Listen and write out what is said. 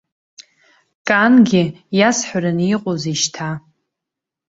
Кангьы иасҳәараны иҟоузеи шьҭа.